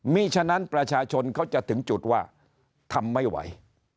มีฉะนั้นประชาชนเขาจะถึงจุดว่าทำไม่ไหว